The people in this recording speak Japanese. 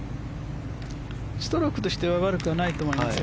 ストロークとしては悪くないと思います。